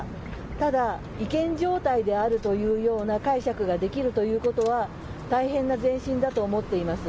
ただ、違憲状態であるというような解釈ができるということは、大変な前進だと思っています。